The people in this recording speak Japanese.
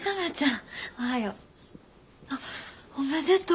あっおめでとう。